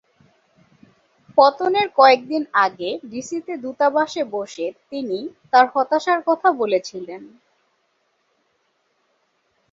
পতনের কয়েক দিন আগে ডিসিতে দূতাবাসে বসে, তিনি তার হতাশার কথা বলেছিলেন।